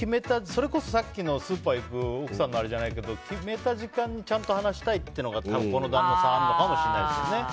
それこそ、さっきスーパー行く奥さんのあれじゃないけど決めた時間にちゃんと話したいというのがこの旦那さんにはあるのかもしれないですね。